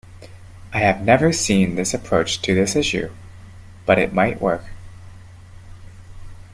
I have never seen this approach to this issue, but it might work.